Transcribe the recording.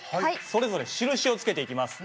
それぞれ印をつけていきます。